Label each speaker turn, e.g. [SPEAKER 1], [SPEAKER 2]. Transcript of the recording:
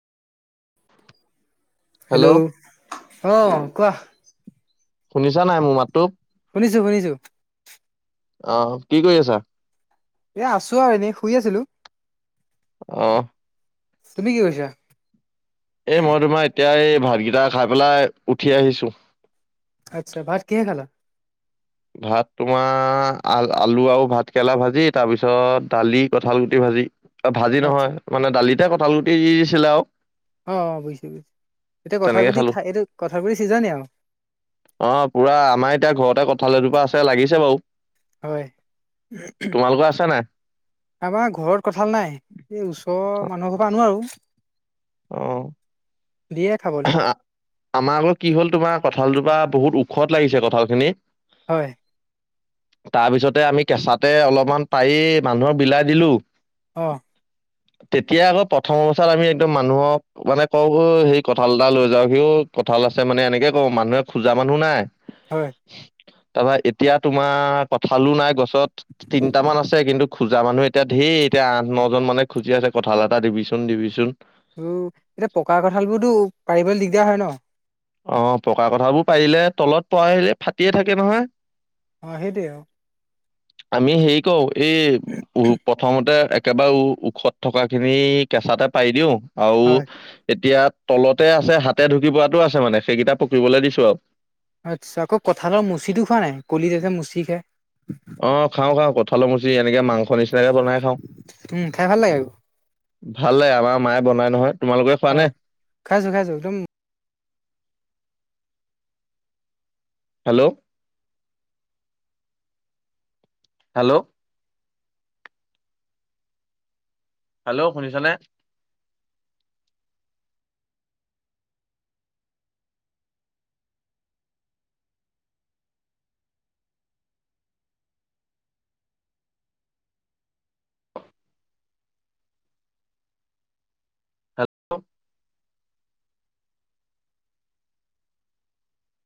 [SPEAKER 1] Hello অ, কোৱা।
[SPEAKER 2] শুনিছা নে নাই মোৰ মাতটো?
[SPEAKER 1] শুনিছো-শুনিছো।
[SPEAKER 2] অ, কি কৰি আছা?
[SPEAKER 1] এ আছো আৰু এনেই, শুই আছিলো।
[SPEAKER 2] অ'হ
[SPEAKER 1] তুমি কি কৰিছা?
[SPEAKER 2] এই মই তোমাৰ এতিয়া, এই ভাতকেইটা খাই পেলাই উঠি আহিছো।
[SPEAKER 1] আচ্ছা, ভাত কিহে খালা?
[SPEAKER 2] ভাত তোমাৰ, আ-আলু আৰু ভাত কেৰেলা ভাজি, তাৰ পিছত দালি, কঠালগুটি ভাজি। ভাজি
[SPEAKER 1] আচ্ছা
[SPEAKER 2] নহয়। মানে দালিতে কঁঠালগুটি দি দিছিলে আও
[SPEAKER 1] অ-অ, বুজিছোঁ-বুজিছো, এতিয়া
[SPEAKER 2] তেনেকে
[SPEAKER 1] কঠালগুটি
[SPEAKER 2] খালো
[SPEAKER 1] খাই, এইটো কঠালগুটি চিজনে আও
[SPEAKER 2] অ, পুৰা, আমাৰ এতিয়া ঘৰতে কঁঠাল এজোপা আছে, লাগিছে বাও
[SPEAKER 1] হয়।
[SPEAKER 2] তোমালোকৰ আছে নাই?
[SPEAKER 1] আমাৰ ঘৰত কঁঠাল নাই। এই ওচৰৰ মানুহ ঘৰৰ পৰা আনো আৰু।
[SPEAKER 2] অ'হ
[SPEAKER 1] দিয়ে খাবলে।
[SPEAKER 2] আমাৰ আকৌ কি হ'ল তোমাৰ, কঁঠালজোপা বহুত ওখত লাগিছে কঁঠাল খিনি।
[SPEAKER 1] হয়
[SPEAKER 2] তাৰ পিছতে আমি কেঁচাতে অলপমান পাৰি মানুহৰ বিলাই দিলো
[SPEAKER 1] অ
[SPEAKER 2] তেতিয়া আকৌ প্ৰথম অৱস্থাত আমি একদম মানুহক মানে কও হিক কঁঠাল এটা লৈ যাও সিও কঁঠাল আছে মানে এনেকে কও মানুহে খোজা মানুহ নাই
[SPEAKER 1] হয়।
[SPEAKER 2] তাৰপৰা এতিয়া তোমাৰ, কঠালো নাই গছত। তিনটামান আছে কিন্তু। খোজা মানুহ এতিয়া ধেৰ, এতিয়া আঠ, ন জন মানে খুজি আছে, কঁঠাল এটা দিবিচোন- দিবিচোন।
[SPEAKER 1] উম' এতিয়া পকা কঁঠাল বোৰতো, পাৰিবলে দিগদাৰ হয় ন?
[SPEAKER 2] অ, পকা কঠালবোৰ পাৰিলে, তলত পোৱা আহিলে, ফাটিয়ে থাকে নহয়।
[SPEAKER 1] অ, সেইটোৱে অ
[SPEAKER 2] আমি হেৰি কৰো, এই প্ৰথমতে একেবাৰে ওখত থকা খিনি, কেঁচাতে পাৰি দিওঁ। আৰু
[SPEAKER 1] হয়
[SPEAKER 2] এতিয়া তলতে আছে, হাতে ঢুকি পোৱাটো আছে মানে, সেইকেইটা পকিবলৈ দিছো আও।
[SPEAKER 1] আচ্ছা আকৌ কঁঠালৰ মুচিটো খোৱা নাই কলিতে যে মুচি কে
[SPEAKER 2] অ খাওঁ খাওঁ কঠালৰ মুচি এনেকে মাংস নিচিনাকে বনাই খাওঁ
[SPEAKER 1] উম খাই ভাল লাগে আকৌ
[SPEAKER 2] ভালে আমাৰ মায়ে বনাই নহয় তোমালোকে খোৱা
[SPEAKER 1] অ
[SPEAKER 2] নে
[SPEAKER 1] খাইছো খাইছো একদম
[SPEAKER 2] হেল্ল' হেল্ল' হেল্ল' শুনিছা নে? হেল্ল